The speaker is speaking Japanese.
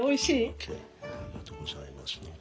ＯＫありがとうございます。